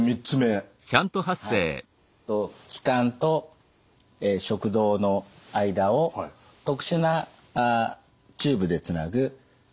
はい気管と食道の間を特殊なチューブでつなぐ方法です。